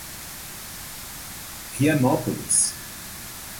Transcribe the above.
Rianápolis